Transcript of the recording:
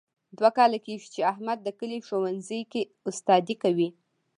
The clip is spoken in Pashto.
دوه کاله کېږي، چې احمد د کلي په ښوونځۍ کې استادي کوي.